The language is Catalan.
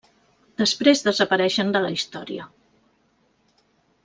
Després desapareixen de la història.